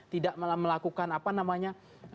tidak melakukan apa namanya